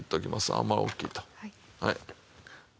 あんまり大きいとはい。